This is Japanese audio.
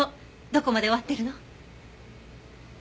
どこまで終わってるの？